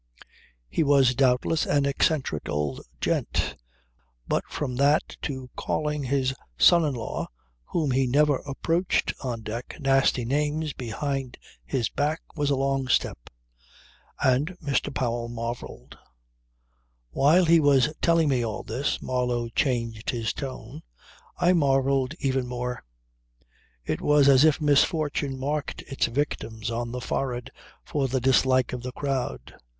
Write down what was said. He was doubtless an eccentric old gent. But from that to calling his son in law (whom he never approached on deck) nasty names behind his back was a long step. And Mr. Powell marvelled ..." "While he was telling me all this," Marlow changed his tone "I marvelled even more. It was as if misfortune marked its victims on the forehead for the dislike of the crowd.